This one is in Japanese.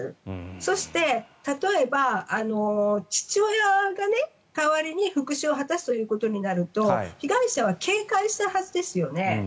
そして、例えば父親が代わりに復しゅうを果たすということになると被害者は警戒したはずですよね。